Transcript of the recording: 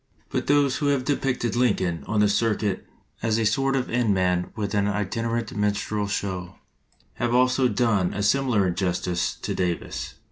But those who have depicted Lincoln on the circuit as a sort of end man with an itinerant minstrel show, have also done a similar injustice to Davis.